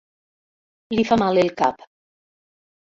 Li fa mal el cap.